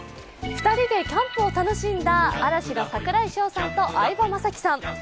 ２人でキャンプを楽しんだ嵐の櫻井翔さんと相葉雅紀さん。